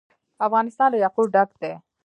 افغانستان له یاقوت ډک دی.